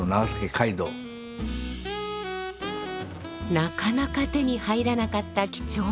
なかなか手に入らなかった貴重な砂糖。